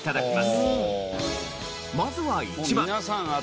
まずは１番。